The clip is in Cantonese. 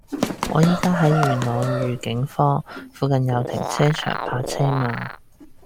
我依家喺元朗裕景坊，附近有停車場泊車嗎